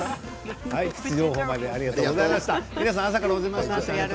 プチ情報までありがとうございました。